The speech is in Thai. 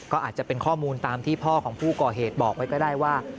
ก็อาจจะเป็นข้อมูลตามที่พ่อของผู้ก่อเหตุบอกไว้ก็ได้ว่า